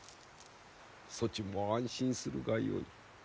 そちも安心するがよい。